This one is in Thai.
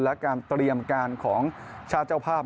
และการเตรียมการของชาติเจ้าภาพ